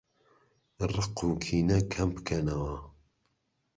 ڕقوکینە کەمبکەنەوە